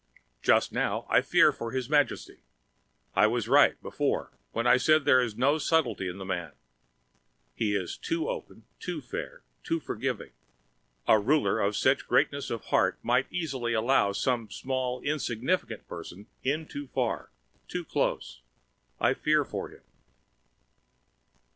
Just now, I fear for His Majesty. I was right, before, when I said there was no subtlety in the man. He is too open, too fair, too forgiving. A ruler with such greatness of heart might easily allow some small insignificant person in too far, too close. I fear for him!